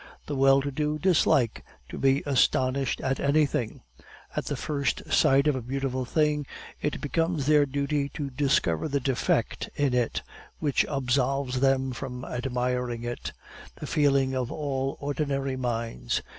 The well to do dislike to be astonished at anything; at the first sight of a beautiful thing it becomes their duty to discover the defect in it which absolves them from admiring it, the feeling of all ordinary minds.